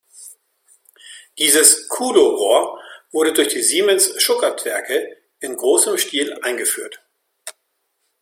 Dieses „Kuhlo-Rohr“ wurde durch die Siemens-Schuckertwerke in großem Stil eingeführt.